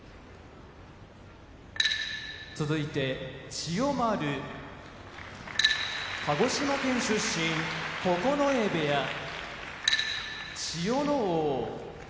千代丸鹿児島県出身九重部屋千代ノ皇